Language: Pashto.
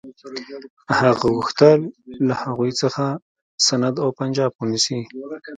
هغه غوښتل له هغوی څخه سند او پنجاب ونیسي.